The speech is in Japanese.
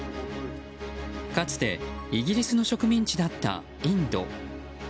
かつてイギリスの植民地だったインド。